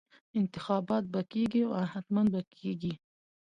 انتخابات به کېږي او حتمي به کېږي.